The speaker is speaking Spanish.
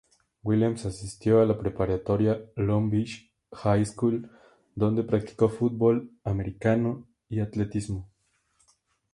Williams asistió a la preparatoria Longview High School, donde practicó fútbol americano y atletismo.